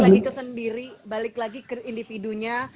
jadi balik lagi ke sendiri balik lagi ke individunya